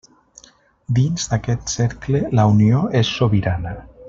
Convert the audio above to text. Dins d'aquest cercle, la Unió és sobirana.